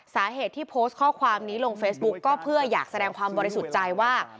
สาเหตุที่โพสต์ข้อความนี้ลงเฟซบุ๊กก็เพื่ออยากแสดงความบริสุทธิ์ใจว่า